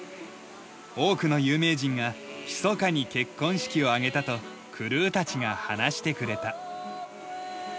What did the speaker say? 多くの有名人が密かに結婚式を挙げたとクルーたちが話してくれた。